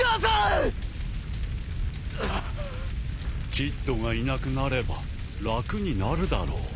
キッドがいなくなれば楽になるだろう。